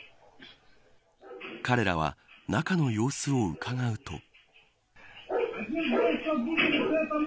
彼らは中の様子をうかがうと。